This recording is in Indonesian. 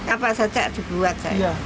apa saja dibuat saya